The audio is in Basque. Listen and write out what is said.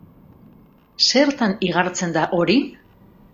Zertan igartzen da hori?